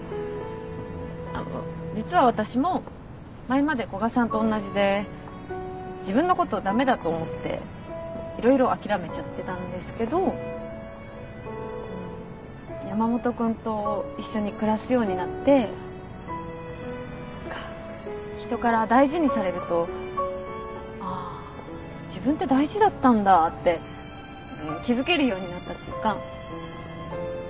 あっ実は私も前まで古賀さんとおんなじで自分のこと駄目だと思って色々諦めちゃってたんですけど山本君と一緒に暮らすようになって何か人から大事にされると「あ自分って大事だったんだ」って気付けるようになったというか。